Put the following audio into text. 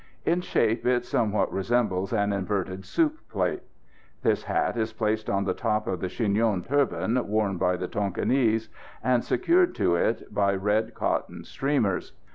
In shape it somewhat resembles an inverted soup plate. This hat is placed on the top of the chignon turban worn by the Tonquinese, and secured to it by red cotton streamers.